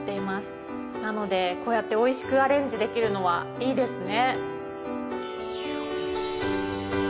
なのでこうやっておいしくアレンジできるのはいいですね。